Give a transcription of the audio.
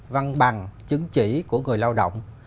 văn bằng chứng chỉ của người lao động